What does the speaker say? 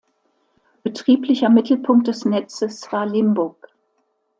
Betrieblicher Mittelpunkt des Netzes war Limburg.